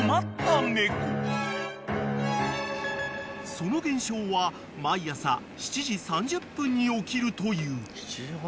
［その現象は毎朝７時３０分に起きるという］